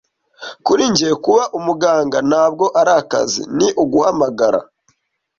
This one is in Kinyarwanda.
Kuri njye, kuba umuganga ntabwo ari akazi, ni uguhamagara.